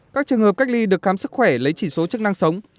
các trường hợp cách ly được khám sức khỏe lấy chỉ số chức năng sống